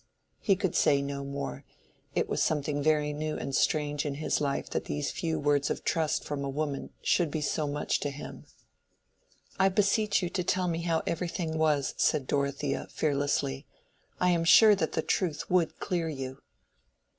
He could say no more: it was something very new and strange in his life that these few words of trust from a woman should be so much to him. "I beseech you to tell me how everything was," said Dorothea, fearlessly. "I am sure that the truth would clear you."